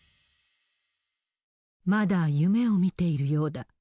まだ夢を見ているようだ。